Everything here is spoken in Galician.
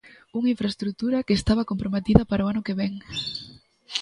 Unha infraestrutura que estaba comprometida para o ano que vén.